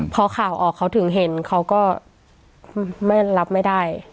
พอข่าวออกเขาถึงเห็นเขาก็ไม่รับไม่ได้